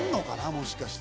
もしかして。